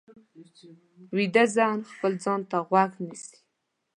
ویده ذهن خپل ځان ته غوږ نیسي